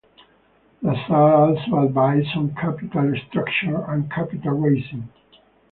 Lazard also advises on capital structure and capital raising.